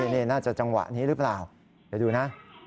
นี่น่าจะจังหวะนี้หรือเปล่าเดี๋ยวดูนะ